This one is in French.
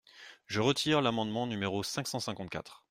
Je retire l’amendement numéro cinq cent cinquante-quatre.